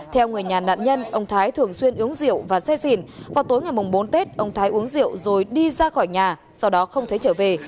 theo người nhà nạn nhân ông thái thường xuyên uống rượu và xe xỉn vào tối ngày bốn tết ông thái uống rượu rồi đi ra khỏi nhà sau đó không thấy trở về